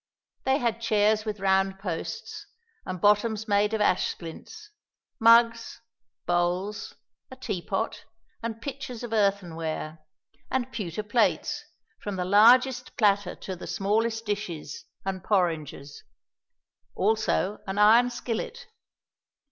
They had chairs with round posts, and bottoms made of ash splints; mugs, bowls, a tea pot, and pitchers of earthen ware; and pewter plates, from the largest platter to the smallest dishes and porringers; also an iron skillet.